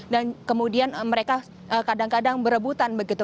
dan kemudian mereka kadang kadang berebutan begitu